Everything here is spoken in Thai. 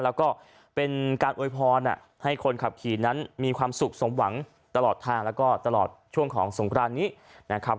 แล้วก็เป็นการอวยพรให้คนขับขี่นั้นมีความสุขสมหวังตลอดทางแล้วก็ตลอดช่วงของสงครานนี้นะครับ